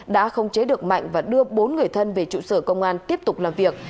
đã không chế được mạnh và đưa bốn người thân về trụ sở công an tiếp tục làm việc